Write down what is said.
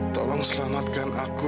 tolong selamatkan aku